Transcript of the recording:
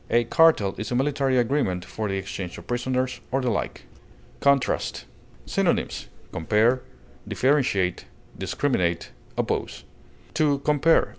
A cartel is a military agreement for the exchange of prisoners or the like. CONTRAST. Synonyms: compare, differentiate, discriminate, oppose. To compare (L.